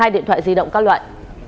một mươi hai điện thoại di động các loại